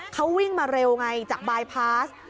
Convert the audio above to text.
เขาวิ่งมาเร็วไงจากบายพาส